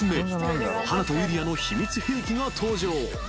［華とユリアの秘密兵器が登場］